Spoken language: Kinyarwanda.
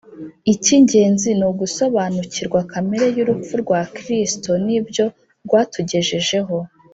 icy'ingenzi ni ugusobanukirwa kamere y’urupfu rwa Kristo n’ibyo rwatugejejeho.